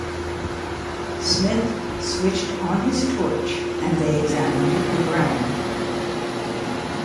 Smith switched on his torch and they examined the ground.